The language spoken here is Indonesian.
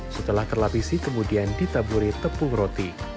setelah terlapisi kemudian ditaburi tepung roti